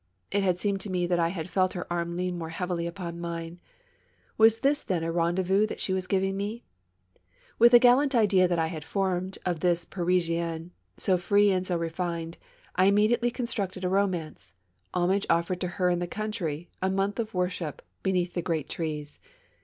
It had seemed to me that I had felt her arm lean more heavily upon mine. Was this then a rendezvous that she was giving me? With the gallant idea that I had formed of this Paris ienne, so free and so refined, I immediately constructed a romance — homage offered to her in the country, a month of worship beneath the great trees.